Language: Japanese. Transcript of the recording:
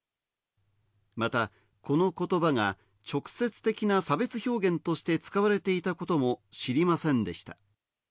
またこの言葉が直接的な差別表現として使われていたことも知りませんでした。